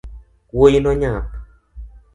Wuoino nyap